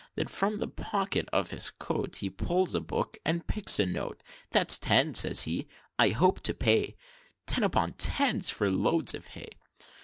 Then, from the pocket of his coat, He pulls a book, and picks a note. 'That's Ten,' says he 'I hope to pay Tens upon tens for loads of hay.'